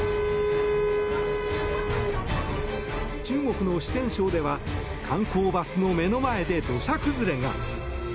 中国の四川省では観光バスの目の前で土砂崩れが。